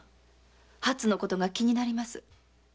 はつのことが気になります。